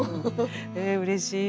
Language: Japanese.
ええうれしい。